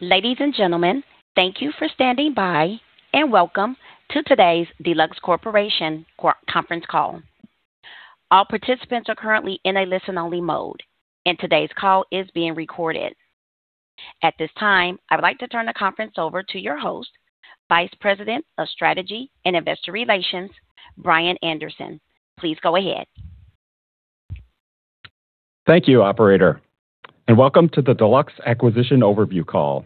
Ladies and gentlemen, thank you for standing by, and welcome to today's Deluxe Corporation conference call. All participants are currently in a listen-only mode. Today's call is being recorded. At this time, I would like to turn the conference over to your host, Vice President of Strategy and Investor Relations, Brian Anderson. Please go ahead. Thank you, operator, and welcome to the Deluxe Acquisition overview call.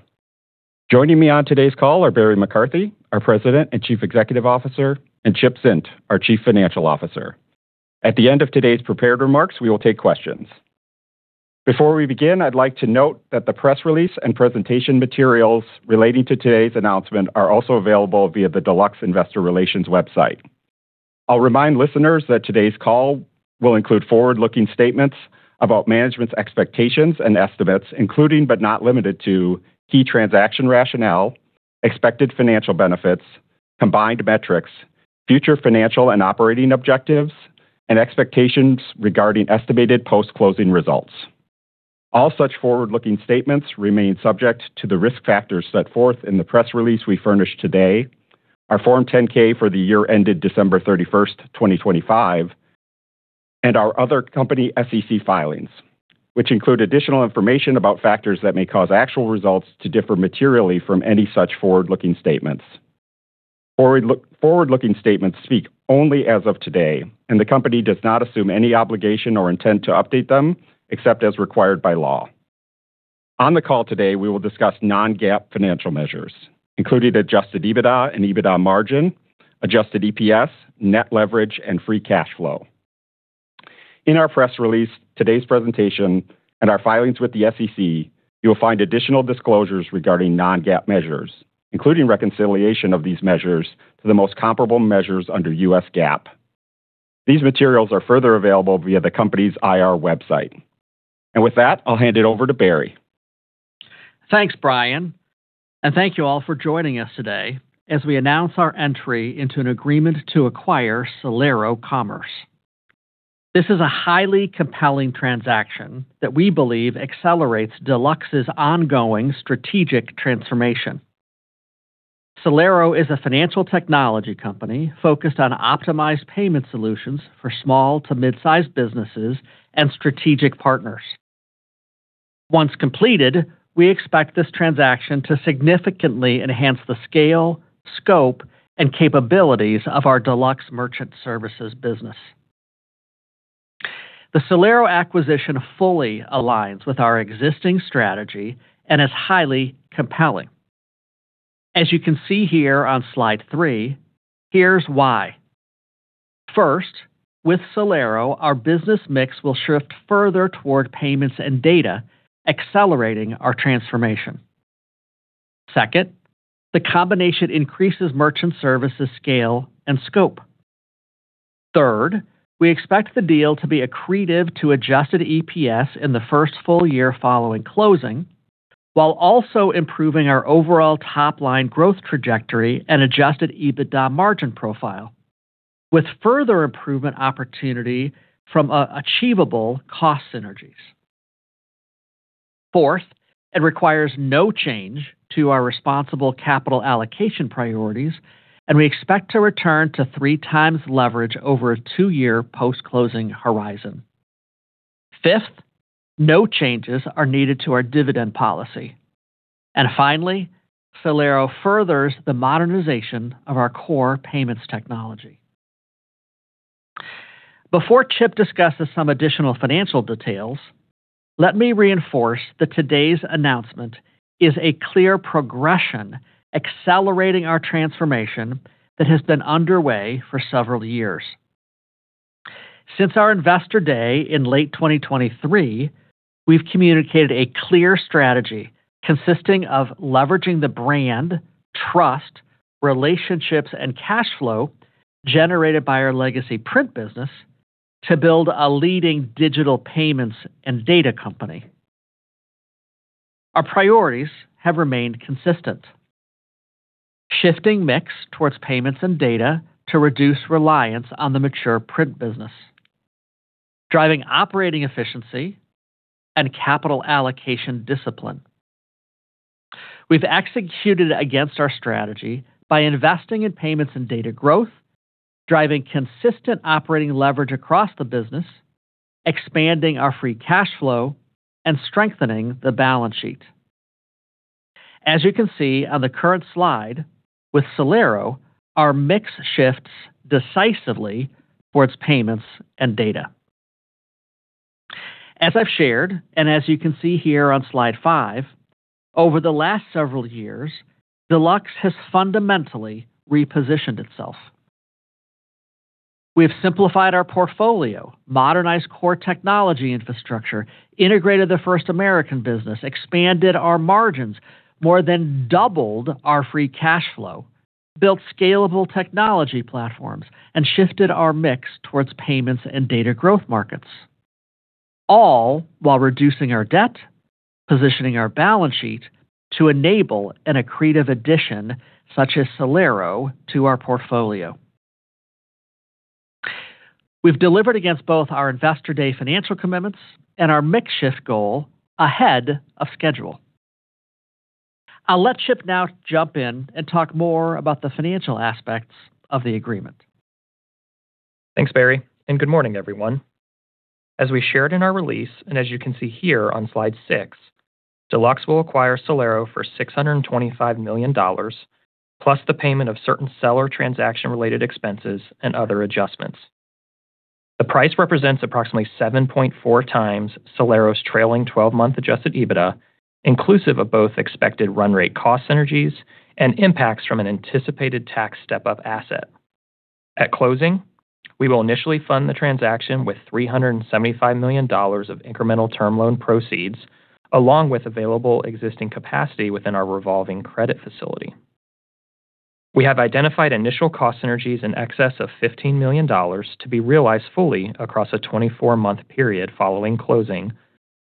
Joining me on today's call are Barry McCarthy, our President and Chief Executive Officer, and Chip Zint, our Chief Financial Officer. At the end of today's prepared remarks, we will take questions. Before we begin, I'd like to note that the press release and presentation materials relating to today's announcement are also available via the Deluxe investor relations website. I'll remind listeners that today's call will include forward-looking statements about management's expectations and estimates, including but not limited to key transaction rationale, expected financial benefits, combined metrics, future financial and operating objectives, and expectations regarding estimated post-closing results. All such forward-looking statements remain subject to the risk factors set forth in the press release we furnish today, our Form 10-K for the year ended December 31st, 2025, and our other company SEC filings, which include additional information about factors that may cause actual results to differ materially from any such forward-looking statements. Forward-looking statements speak only as of today. The company does not assume any obligation or intend to update them except as required by law. On the call today, we will discuss non-GAAP financial measures, including adjusted EBITDA and EBITDA margin, adjusted EPS, net leverage, and free cash flow. In our press release, today's presentation, and our filings with the SEC, you will find additional disclosures regarding non-GAAP measures, including reconciliation of these measures to the most comparable measures under U.S. GAAP. These materials are further available via the company's IR website. With that, I'll hand it over to Barry. Thanks, Brian. Thank you all for joining us today as we announce our entry into an agreement to acquire Celero Commerce. This is a highly compelling transaction that we believe accelerates Deluxe's ongoing strategic transformation. Celero is a financial technology company focused on optimized payment solutions for small to mid-size businesses and strategic partners. Once completed, we expect this transaction to significantly enhance the scale, scope, and capabilities of our Deluxe Merchant Services business. The Celero acquisition fully aligns with our existing strategy and is highly compelling. As you can see here on slide three, here's why. First, with Celero, our business mix will shift further toward payments and data, accelerating our transformation. Second, the combination increases merchant services scale and scope. Third, we expect the deal to be accretive to adjusted EPS in the first full year following closing, while also improving our overall top-line growth trajectory and adjusted EBITDA margin profile with further improvement opportunity from achievable cost synergies. Fourth, it requires no change to our responsible capital allocation priorities. We expect to return to three times leverage over a two-year post-closing horizon. Fifth, no changes are needed to our dividend policy. Finally, Celero furthers the modernization of our core payments technology. Before Chip discusses some additional financial details, let me reinforce that today's announcement is a clear progression accelerating our transformation that has been underway for several years. Since our Investor Day in late 2023, we've communicated a clear strategy consisting of leveraging the brand, trust, relationships, and cash flow generated by our legacy print business to build a leading digital payments and data company. Our priorities have remained consistent. Shifting mix towards payments and data to reduce reliance on the mature print business, driving operating efficiency and capital allocation discipline. We've executed against our strategy by investing in payments and data growth, driving consistent operating leverage across the business, expanding our free cash flow, and strengthening the balance sheet. As you can see on the current slide, with Celero, our mix shifts decisively towards payments and data. As I've shared, as you can see here on slide five, over the last several years, Deluxe has fundamentally repositioned itself. We've simplified our portfolio, modernized core technology infrastructure, integrated the First American business, expanded our margins, more than doubled our free cash flow, built scalable technology platforms, and shifted our mix towards payments and data growth markets, all while reducing our debt, positioning our balance sheet to enable an accretive addition such as Celero to our portfolio. We've delivered against both our investor day financial commitments and our mix shift goal ahead of schedule. I'll let Chip now jump in and talk more about the financial aspects of the agreement. Thanks, Barry, and good morning, everyone. As we shared in our release, as you can see here on slide six, Deluxe will acquire Celero for $625 million, plus the payment of certain seller transaction-related expenses and other adjustments. The price represents approximately 7.4x Celero's trailing 12-month adjusted EBITDA, inclusive of both expected run rate cost synergies and impacts from an anticipated tax step-up asset. At closing, we will initially fund the transaction with $375 million of incremental term loan proceeds, along with available existing capacity within our revolving credit facility. We have identified initial cost synergies in excess of $15 million to be realized fully across a 24-month period following closing,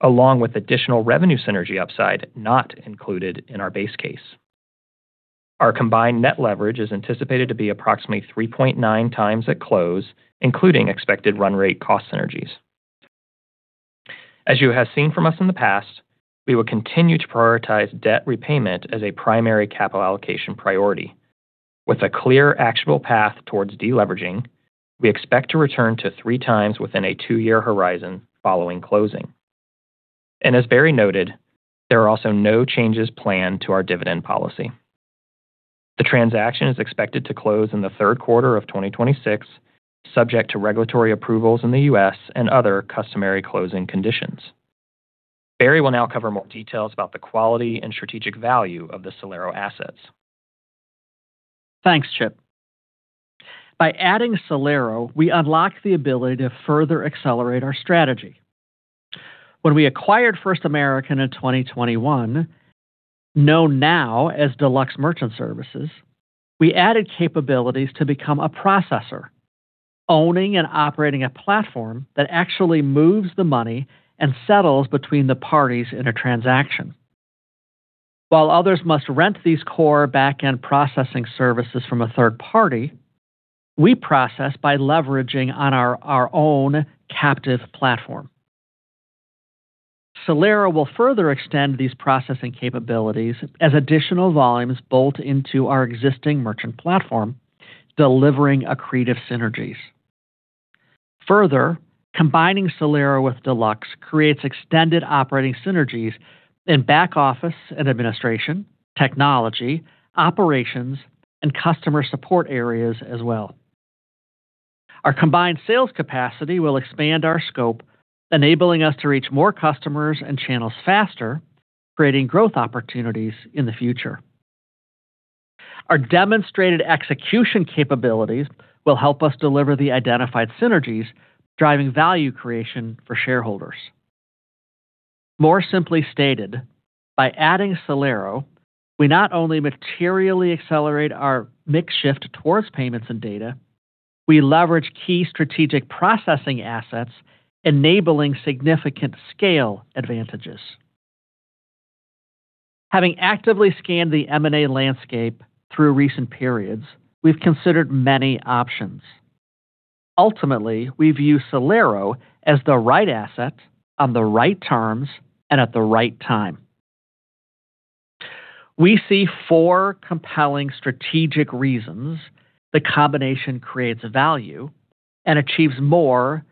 along with additional revenue synergy upside not included in our base case. Our combined net leverage is anticipated to be approximately 3.9x at close, including expected run rate cost synergies. As you have seen from us in the past, we will continue to prioritize debt repayment as a primary capital allocation priority. With a clear actual path towards de-leveraging, we expect to return to 3x within a two-year horizon following closing. As Barry noted, there are also no changes planned to our dividend policy. The transaction is expected to close in the third quarter of 2026, subject to regulatory approvals in the U.S. and other customary closing conditions. Barry will now cover more details about the quality and strategic value of the Celero assets. Thanks, Chip. By adding Celero, we unlock the ability to further accelerate our strategy. When we acquired First American in 2021, known now as Deluxe Merchant Services, we added capabilities to become a processor, owning and operating a platform that actually moves the money and settles between the parties in a transaction. While others must rent these core backend processing services from a third party, we process by leveraging on our own captive platform. Celero will further extend these processing capabilities as additional volumes bolt into our existing merchant platform, delivering accretive synergies. Further, combining Celero with Deluxe creates extended operating synergies in back office and administration, technology, operations, and customer support areas as well. Our combined sales capacity will expand our scope, enabling us to reach more customers and channels faster, creating growth opportunities in the future. Our demonstrated execution capabilities will help us deliver the identified synergies, driving value creation for shareholders. More simply stated, by adding Celero, we not only materially accelerate our mix shift towards payments and data, we leverage key strategic processing assets, enabling significant scale advantages. Having actively scanned the M&A landscape through recent periods, we've considered many options. Ultimately, we view Celero as the right asset on the right terms and at the right time. We see four compelling strategic reasons the combination creates value and achieves more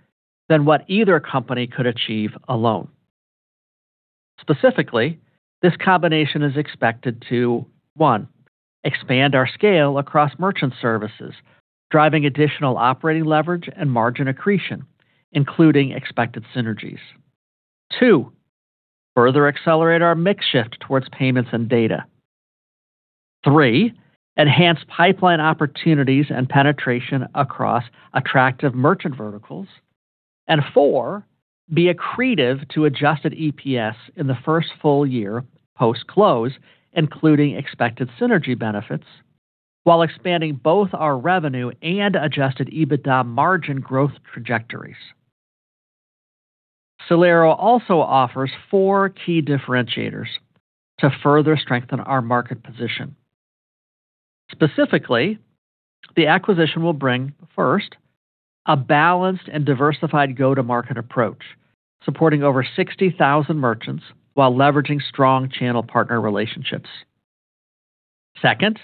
than what either company could achieve alone. Specifically, this combination is expected to, one, expand our scale across merchant services, driving additional operating leverage and margin accretion, including expected synergies. Two, further accelerate our mix shift towards payments and data. Three, enhance pipeline opportunities and penetration across attractive merchant verticals. Four, be accretive to adjusted EPS in the first full year post-close, including expected synergy benefits while expanding both our revenue and adjusted EBITDA margin growth trajectories. Celero also offers four key differentiators to further strengthen our market position. Specifically, the acquisition will bring, first, a balanced and diversified go-to-market approach, supporting over 60,000 merchants while leveraging strong channel partner relationships. Second,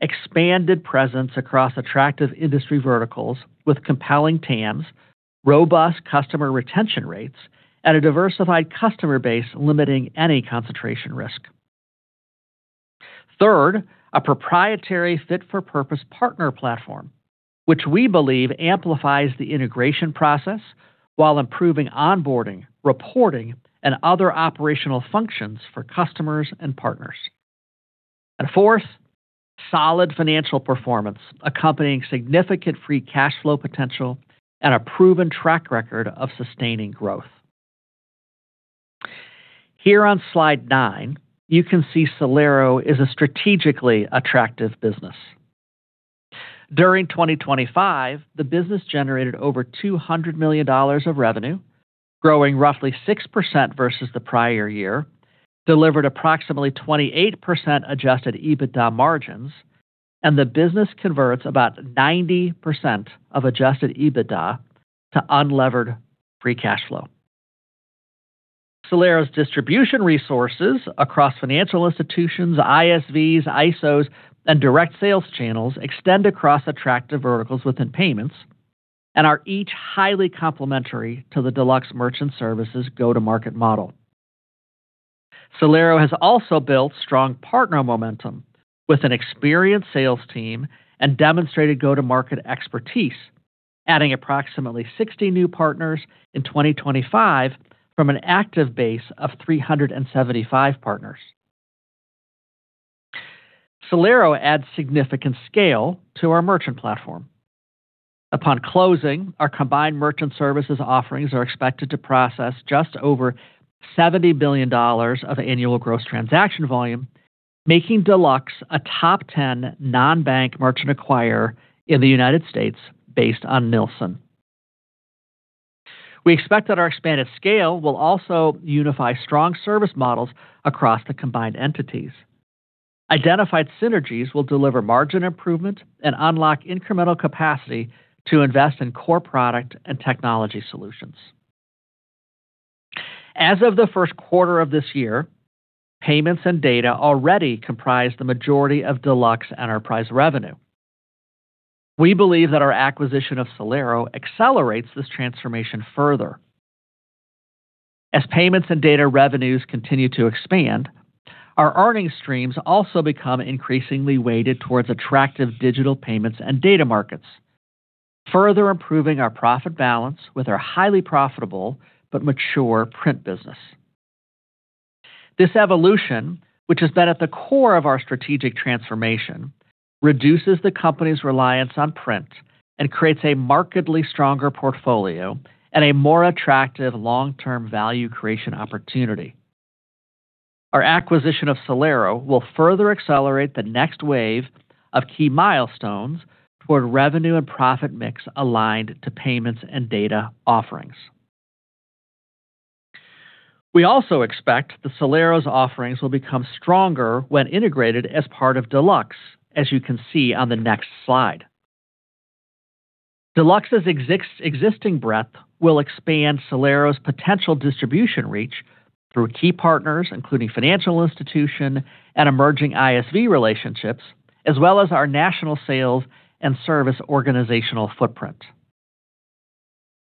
expanded presence across attractive industry verticals with compelling TAMs, robust customer retention rates, and a diversified customer base limiting any concentration risk. Third, a proprietary fit-for-purpose partner platform, which we believe amplifies the integration process while improving onboarding, reporting, and other operational functions for customers and partners. Fourth, solid financial performance accompanying significant free cash flow potential and a proven track record of sustaining growth. Here on slide nine, you can see Celero is a strategically attractive business. During 2025, the business generated over $200 million of revenue growing roughly 6% versus the prior year, delivered approximately 28% adjusted EBITDA margins, and the business converts about 90% of adjusted EBITDA to unlevered free cash flow. Celero's distribution resources across financial institutions, ISVs, ISOs, and direct sales channels extend across attractive verticals within payments and are each highly complementary to the Deluxe Merchant Services go-to-market model. Celero has also built strong partner momentum with an experienced sales team and demonstrated go-to-market expertise, adding approximately 60 new partners in 2025 from an active base of 375 partners. Celero adds significant scale to our merchant platform. Upon closing, our combined Merchant Services offerings are expected to process just over $70 billion of annual gross transaction volume, making Deluxe a top 10 non-bank merchant acquirer in the U.S. based on Nilson. We expect that our expanded scale will also unify strong service models across the combined entities. Identified synergies will deliver margin improvement and unlock incremental capacity to invest in core product and technology solutions. As of the first quarter of this year, payments and data already comprise the majority of Deluxe enterprise revenue. We believe that our acquisition of Celero accelerates this transformation further. As payments and data revenues continue to expand, our earning streams also become increasingly weighted towards attractive digital payments and data markets, further improving our profit balance with our highly profitable but mature print business. This evolution, which has been at the core of our strategic transformation, reduces the company's reliance on print and creates a markedly stronger portfolio and a more attractive long-term value creation opportunity. Our acquisition of Celero will further accelerate the next wave of key milestones toward revenue and profit mix aligned to payments and data offerings. We also expect that Celero's offerings will become stronger when integrated as part of Deluxe, as you can see on the next slide. Deluxe's existing breadth will expand Celero's potential distribution reach through key partners, including financial institution and emerging ISV relationships, as well as our national sales and service organizational footprint.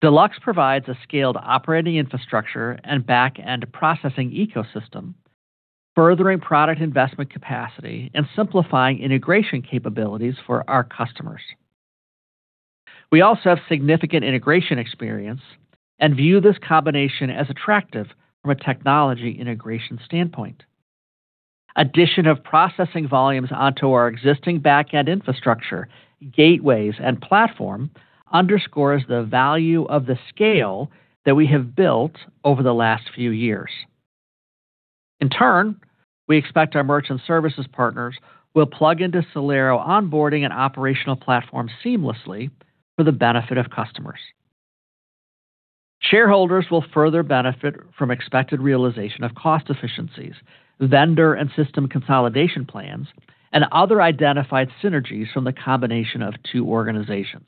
Deluxe provides a scaled operating infrastructure and backend processing ecosystem, furthering product investment capacity and simplifying integration capabilities for our customers. We also have significant integration experience and view this combination as attractive from a technology integration standpoint. Addition of processing volumes onto our existing backend infrastructure, gateways, and platform underscores the value of the scale that we have built over the last few years. In turn, we expect our Merchant Services partners will plug into Celero onboarding and operational platform seamlessly for the benefit of customers. Shareholders will further benefit from expected realization of cost efficiencies, vendor and system consolidation plans, and other identified synergies from the combination of two organizations.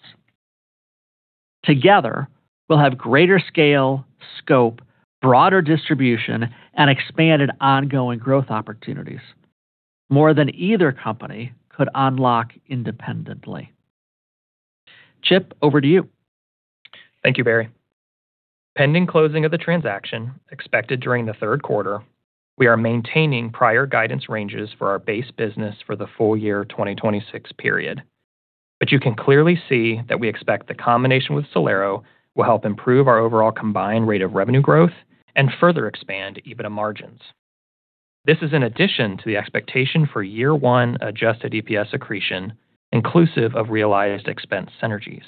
Together, we'll have greater scale, scope, broader distribution, and expanded ongoing growth opportunities, more than either company could unlock independently. Chip, over to you. Thank you, Barry. Pending closing of the transaction expected during the third quarter, we are maintaining prior guidance ranges for our base business for the full year 2026 period. You can clearly see that we expect the combination with Celero will help improve our overall combined rate of revenue growth and further expand EBITDA margins. This is in addition to the expectation for year one adjusted EPS accretion inclusive of realized expense synergies.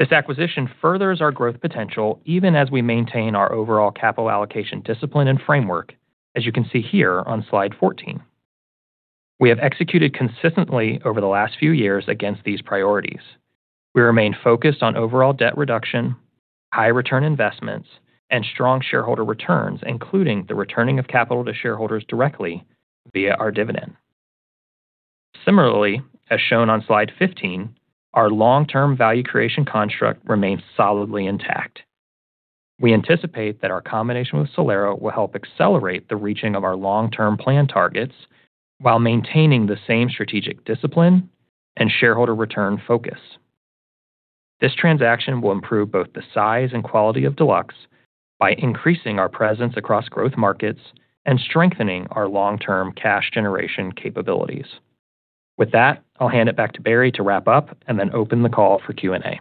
This acquisition furthers our growth potential even as we maintain our overall capital allocation discipline and framework, as you can see here on slide 14. We have executed consistently over the last few years against these priorities. We remain focused on overall debt reduction, high return investments, and strong shareholder returns, including the returning of capital to shareholders directly via our dividend. Similarly, as shown on slide 15, our long-term value creation construct remains solidly intact. We anticipate that our combination with Celero will help accelerate the reaching of our long-term plan targets while maintaining the same strategic discipline and shareholder return focus. This transaction will improve both the size and quality of Deluxe by increasing our presence across growth markets and strengthening our long-term cash generation capabilities. With that, I'll hand it back to Barry to wrap up and then open the call for Q&A.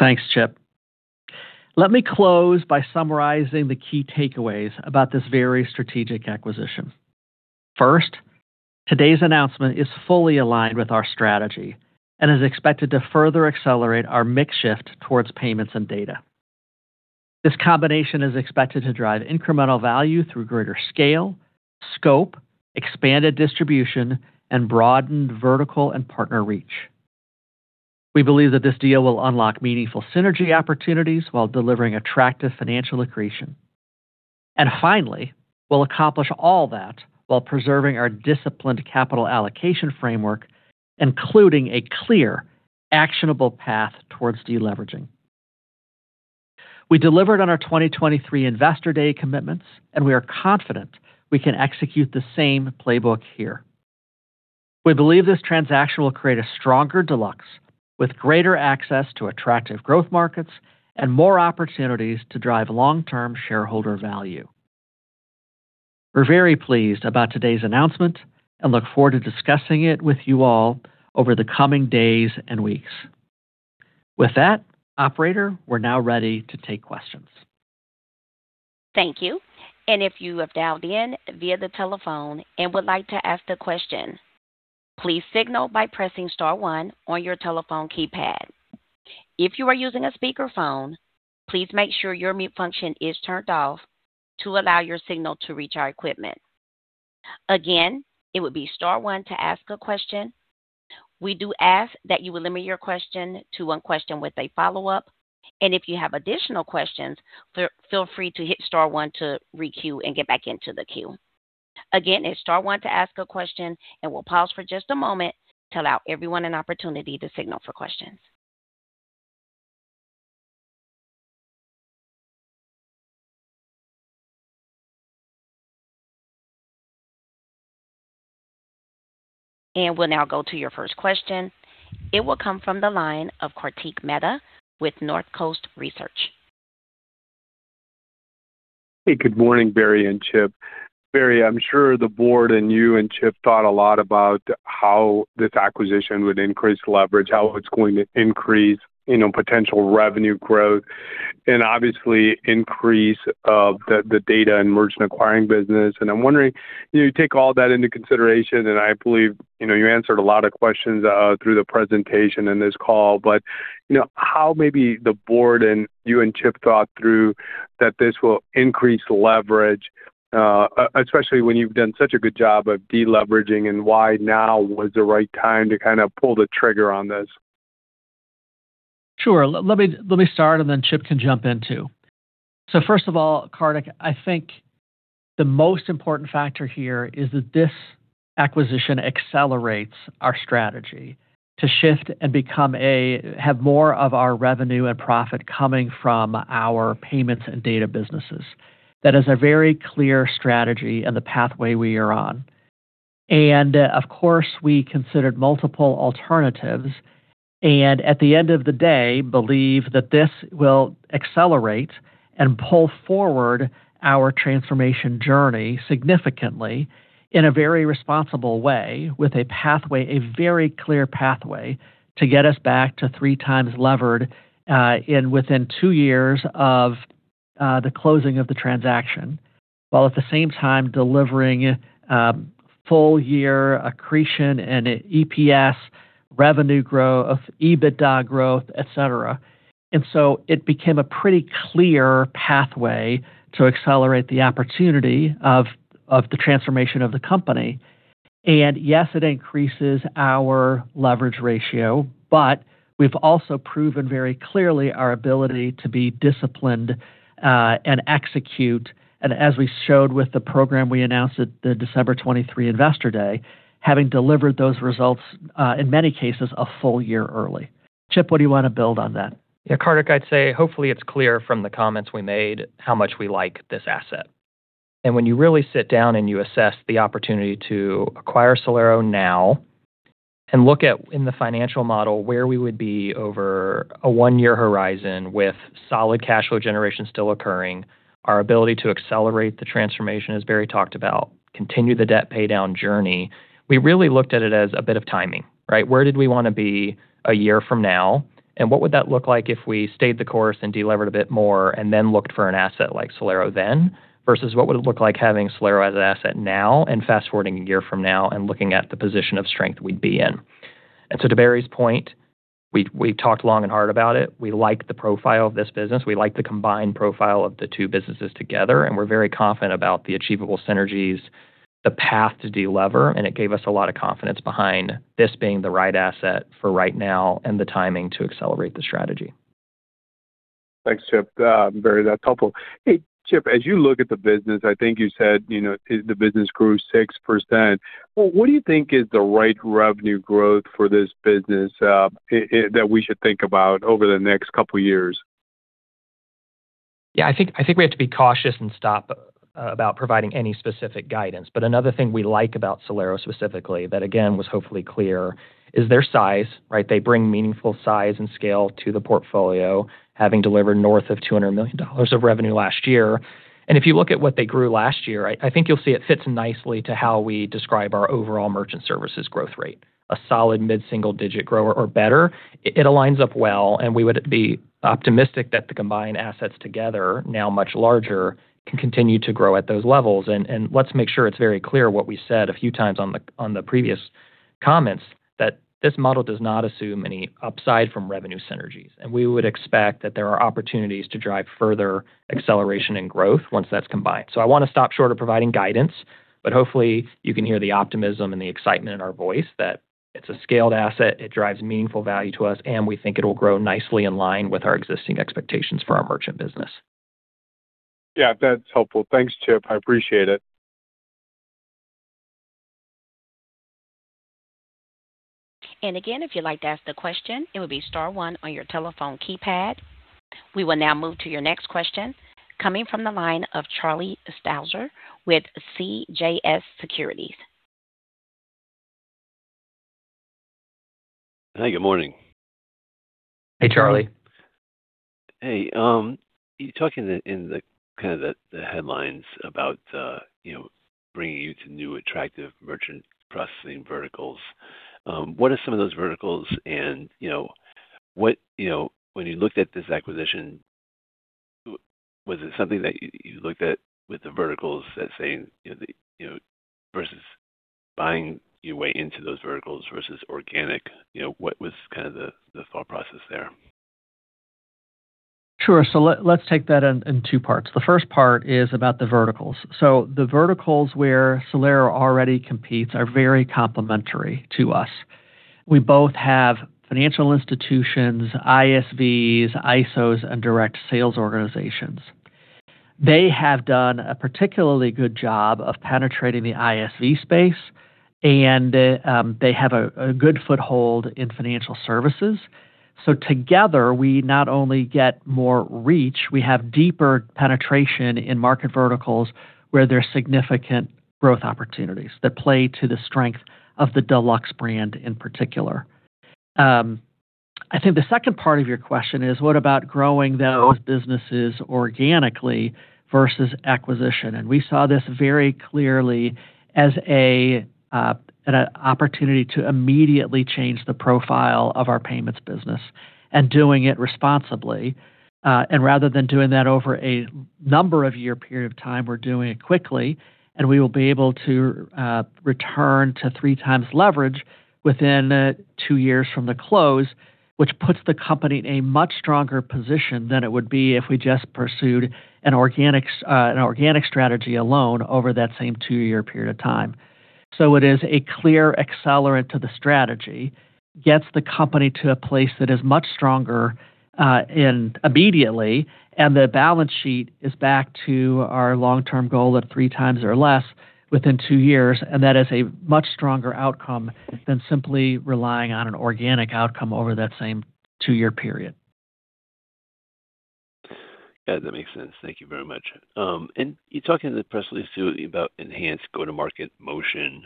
Thanks, Chip. Let me close by summarizing the key takeaways about this very strategic acquisition. First, today's announcement is fully aligned with our strategy and is expected to further accelerate our mix shift towards payments and data. This combination is expected to drive incremental value through greater scale scope, expanded distribution, and broadened vertical and partner reach. We believe that this deal will unlock meaningful synergy opportunities while delivering attractive financial accretion. Finally, we'll accomplish all that while preserving our disciplined capital allocation framework, including a clear, actionable path towards deleveraging. We delivered on our 2023 Investor Day commitments, and we are confident we can execute the same playbook here. We believe this transaction will create a stronger Deluxe with greater access to attractive growth markets and more opportunities to drive long-term shareholder value. We're very pleased about today's announcement and look forward to discussing it with you all over the coming days and weeks. With that, operator, we're now ready to take questions. Thank you. If you have dialed in via the telephone and would like to ask a question, please signal by pressing star one on your telephone keypad. If you are using a speakerphone, please make sure your mute function is turned off to allow your signal to reach our equipment. Again, it would be star one to ask a question. We do ask that you would limit your question to one question with a follow-up. If you have additional questions, feel free to hit star one to re-queue and get back into the queue. Again, it's star one to ask a question, we'll pause for just a moment to allow everyone an opportunity to signal for questions. We'll now go to your first question. It will come from the line of Kartik Mehta with Northcoast Research. Hey, good morning, Barry and Chip. Barry, I'm sure the Board and you and Chip thought a lot about how this acquisition would increase leverage, how it's going to increase potential revenue growth, and obviously increase the data and merchant acquiring business. I'm wondering, you take all that into consideration, and I believe you answered a lot of questions through the presentation and this call, how maybe the Board and you and Chip thought through that this will increase leverage, especially when you've done such a good job of deleveraging and why now was the right time to pull the trigger on this? Sure. Let me start, Chip can jump in too. First of all, Kartik, I think the most important factor here is that this acquisition accelerates our strategy to shift and have more of our revenue and profit coming from our payments and data businesses. That is a very clear strategy and the pathway we are on. Of course, we considered multiple alternatives and at the end of the day, believe that this will accelerate and pull forward our transformation journey significantly in a very responsible way with a pathway, a very clear pathway, to get us back to three times levered within two years of the closing of the transaction, while at the same time delivering full year accretion and EPS revenue growth, EBITDA growth, et cetera. It became a pretty clear pathway to accelerate the opportunity of the transformation of the company. Yes, it increases our leverage ratio, we've also proven very clearly our ability to be disciplined and execute. As we showed with the program we announced at the December 23, 2023 Investor Day, having delivered those results, in many cases, a full year early. Chip, what do you want to build on that? Kartik, I'd say hopefully it's clear from the comments we made how much we like this asset. When you really sit down and you assess the opportunity to acquire Celero now and look at in the financial model where we would be over a one-year horizon with solid cash flow generation still occurring, our ability to accelerate the transformation, as Barry talked about, continue the debt paydown journey. We really looked at it as a bit of timing, right? Where did we want to be a year from now, and what would that look like if we stayed the course and delevered a bit more then looked for an asset like Celero then, versus what would it look like having Celero as an asset now and fast-forwarding a year from now and looking at the position of strength we'd be in. To Barry's point, we've talked long and hard about it. We like the profile of this business. We like the combined profile of the two businesses together, we're very confident about the achievable synergies, the path to delever, it gave us a lot of confidence behind this being the right asset for right now and the timing to accelerate the strategy. Thanks, Chip. Barry, that's helpful. Chip, as you look at the business, I think you said the business grew 6%. What do you think is the right revenue growth for this business that we should think about over the next couple years? Yeah, I think we have to be cautious and stop about providing any specific guidance. But another thing we like about Celero specifically, that again was hopefully clear, is their size, right? They bring meaningful size and scale to the portfolio, having delivered north of $200 million of revenue last year. If you look at what they grew last year, I think you'll see it fits nicely to how we describe our overall Merchant Services growth rate, a solid mid-single digit grower or better. It aligns up well, and we would be optimistic that the combined assets together, now much larger, can continue to grow at those levels. Let's make sure it's very clear what we said a few times on the previous comments that this model does not assume any upside from revenue synergies, we would expect that there are opportunities to drive further acceleration and growth once that's combined. I want to stop short of providing guidance, but hopefully you can hear the optimism and the excitement in our voice that it's a scaled asset, it drives meaningful value to us, and we think it'll grow nicely in line with our existing expectations for our merchant business. Yeah, that's helpful. Thanks, Chip. I appreciate it. Again, if you'd like to ask the question, it would be star one on your telephone keypad. We will now move to your next question coming from the line of Charlie Strauzer with CJS Securities. Hey, good morning. Hey, Charlie. Hey. You're talking in the headlines about bringing you to new attractive merchant processing verticals. What are some of those verticals, and when you looked at this acquisition, was it something that you looked at with the verticals as saying versus buying your way into those verticals versus organic? What was the thought process there? Sure. Let's take that in two parts. The first part is about the verticals. The verticals where Celero already competes are very complementary to us. We both have financial institutions, ISVs, ISOs, and direct sales organizations. They have done a particularly good job of penetrating the ISV space, and they have a good foothold in financial services. Together, we not only get more reach, we have deeper penetration in market verticals where there's significant growth opportunities that play to the strength of the Deluxe brand in particular. I think the second part of your question is what about growing those businesses organically versus acquisition? We saw this very clearly as an opportunity to immediately change the profile of our payments business and doing it responsibly. Rather than doing that over a number of year period of time, we're doing it quickly, and we will be able to return to 3x leverage within two years from the close, which puts the company in a much stronger position than it would be if we just pursued an organic strategy alone over that same two-year period of time. It is a clear accelerant to the strategy, gets the company to a place that is much stronger immediately, and the balance sheet is back to our long-term goal of 3x or less within two years. That is a much stronger outcome than simply relying on an organic outcome over that same two-year period. Yeah, that makes sense. Thank you very much. You talk in the press release too about enhanced go-to-market motion,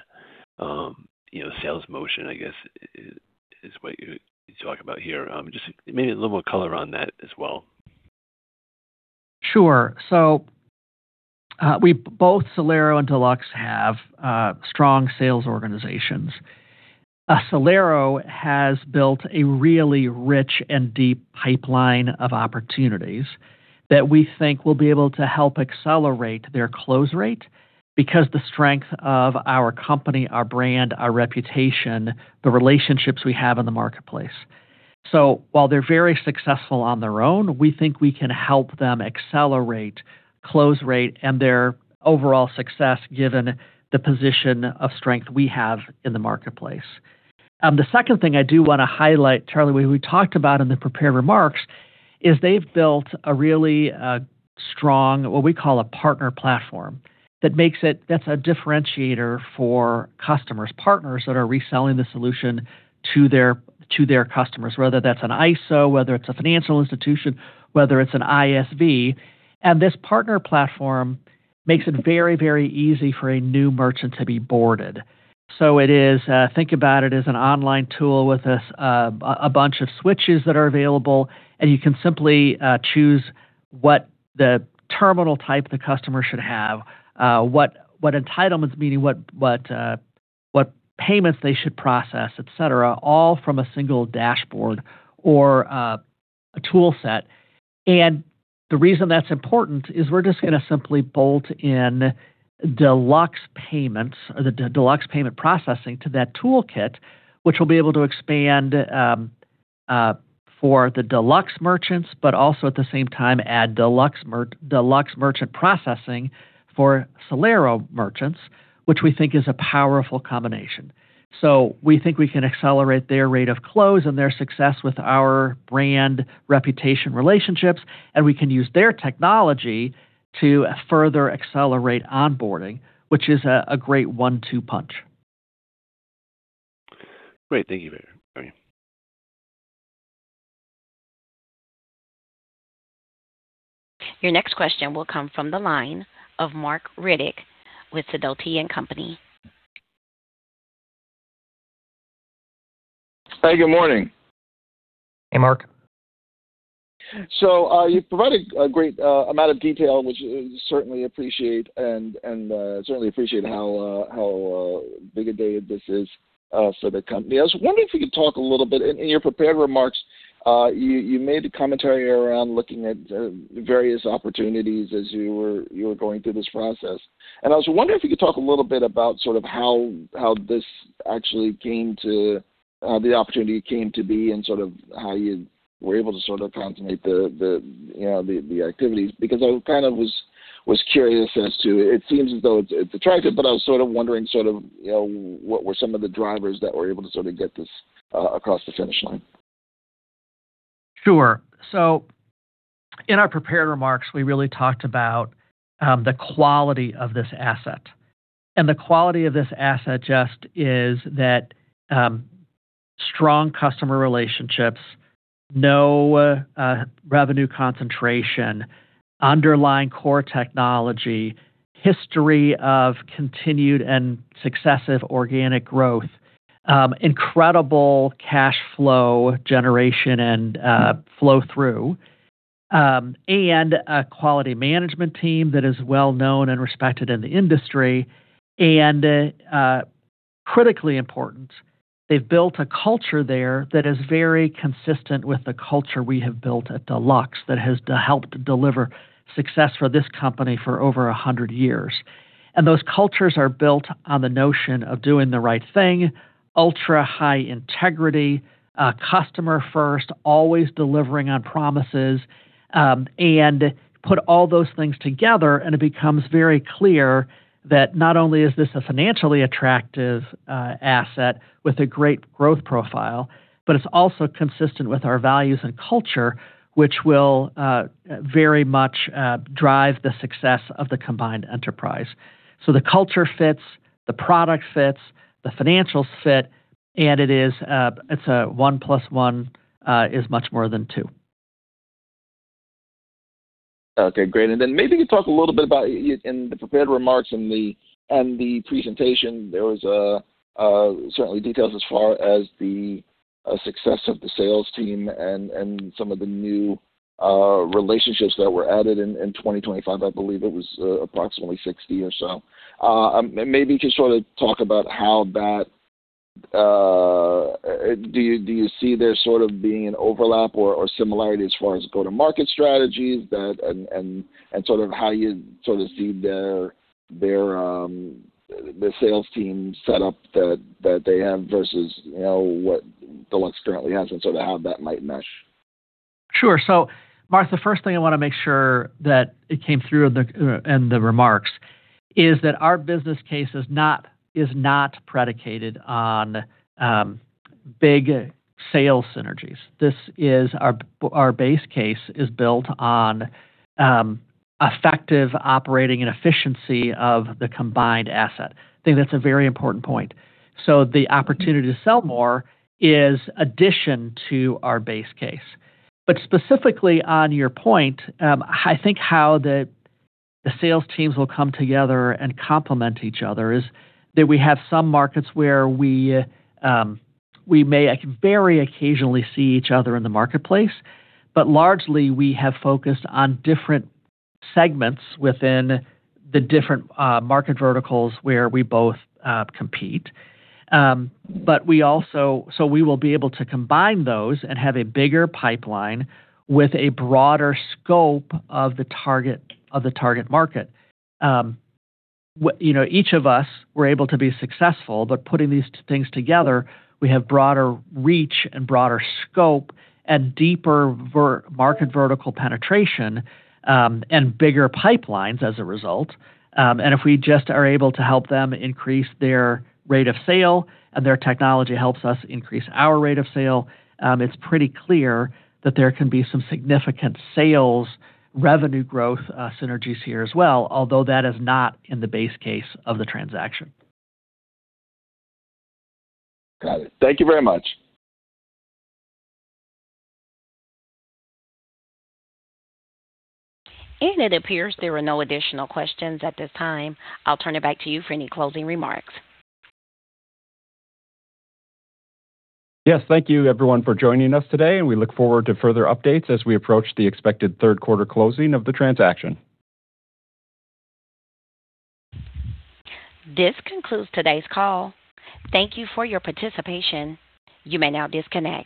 sales motion, I guess, is what you talk about here. Just maybe a little more color on that as well. Sure. Both Celero and Deluxe have strong sales organizations. Celero has built a really rich and deep pipeline of opportunities that we think will be able to help accelerate their close rate because the strength of our company, our brand, our reputation, the relationships we have in the marketplace. While they're very successful on their own, we think we can help them accelerate close rate and their overall success given the position of strength we have in the marketplace. The second thing I do want to highlight, Charlie, we talked about in the prepared remarks, is they've built a really strong, what we call a partner platform, that's a differentiator for customers, partners that are reselling the solution to their customers, whether that's an ISO, whether it's a financial institution, whether it's an ISV. This partner platform makes it very easy for a new merchant to be boarded. Think about it as an online tool with a bunch of switches that are available, and you can simply choose what the terminal type the customer should have, what entitlements, meaning what payments they should process, et cetera, all from a single dashboard or a tool set. The reason that's important is we're just going to simply bolt in Deluxe payments or the Deluxe payment processing to that toolkit, which will be able to expand for the Deluxe merchants, but also at the same time add Deluxe merchant processing for Celero merchants, which we think is a powerful combination. We think we can accelerate their rate of close and their success with our brand reputation relationships, and we can use their technology to further accelerate onboarding, which is a great one-two punch. Great. Thank you very much. Your next question will come from the line of Marc Riddick with Sidoti & Company. Hey, good morning. Hey, Marc. You provided a great amount of detail, which I certainly appreciate and certainly appreciate how big a day this is for the company. I was wondering if you could talk a little bit, in your prepared remarks, you made a commentary around looking at the various opportunities as you were going through this process. I was wondering if you could talk a little bit about how the opportunity came to be and how you were able to consummate the activities, because I was curious as to, it seems as though it's attractive, but I was wondering what were some of the drivers that were able to get this across the finish line? Sure. In our prepared remarks, we really talked about the quality of this asset. The quality of this asset just is that strong customer relationships, no revenue concentration, underlying core technology, history of continued and successive organic growth, incredible cash flow generation and flow-through, and a quality management team that is well-known and respected in the industry. Critically important, they've built a culture there that is very consistent with the culture we have built at Deluxe that has helped deliver success for this company for over 100 years. Those cultures are built on the notion of doing the right thing, ultra-high integrity, customer first, always delivering on promises. Put all those things together, and it becomes very clear that not only is this a financially attractive asset with a great growth profile, but it's also consistent with our values and culture, which will very much drive the success of the combined enterprise. The culture fits, the product fits, the financials fit, and it's a one plus one is much more than two. Okay, great. Maybe you could talk a little bit about in the prepared remarks and the presentation, there was certainly details as far as the success of the sales team and some of the new relationships that were added in 2025. I believe it was approximately 60 or so. Maybe just talk about, do you see there sort of being an overlap or similarity as far as go-to-market strategies and how you see their sales team set up that they have versus what Deluxe currently has, and how that might mesh? Sure. Marc, the first thing I want to make sure that it came through in the remarks is that our business case is not predicated on big sales synergies. Our base case is built on effective operating and efficiency of the combined asset. I think that's a very important point. The opportunity to sell more is addition to our base case. Specifically on your point, I think how the sales teams will come together and complement each other is that we have some markets where we may very occasionally see each other in the marketplace, but largely, we have focused on different segments within the different market verticals where we both compete. We will be able to combine those and have a bigger pipeline with a broader scope of the target market. Each of us were able to be successful, but putting these things together, we have broader reach and broader scope and deeper market vertical penetration, and bigger pipelines as a result. If we just are able to help them increase their rate of sale and their technology helps us increase our rate of sale, it's pretty clear that there can be some significant sales revenue growth synergies here as well, although that is not in the base case of the transaction. Got it. Thank you very much. It appears there are no additional questions at this time. I'll turn it back to you for any closing remarks. Yes, thank you everyone for joining us today, and we look forward to further updates as we approach the expected third quarter closing of the transaction. This concludes today's call. Thank you for your participation. You may now disconnect.